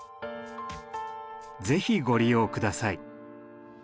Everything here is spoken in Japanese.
是非ご利用下さい。